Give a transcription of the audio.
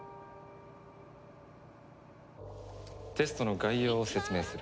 テストの概要を説明する。